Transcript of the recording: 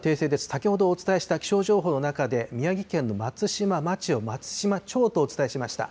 先ほどお伝えした気象情報の中で、宮城県のまつしままちをまつしまちょうとお伝えしました。